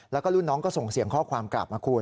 แล้วก็รุ่นน้องก็ส่งเสียงข้อความกลับมาคุณ